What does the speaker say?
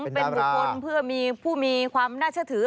เป็นบุคคลเพื่อมีผู้มีความน่าเชื่อถือ